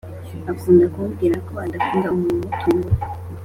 akunda kumubwira ko adakunda umuntu umutungura